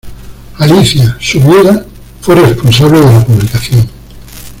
Alicia, su viuda, fue responsable de la publicación.